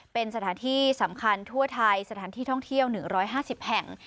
เป็นสถานที่สำคัญทั่วไทยสถานที่ท่องเที่ยว๑๕๐แห่ง